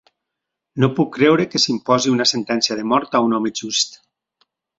No puc creure que s'imposi una sentència de mort a un home just.